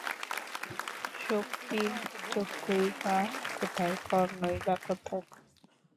শক্তির চক্ষুই বা কোথায়, কর্ণই বা কোথায়?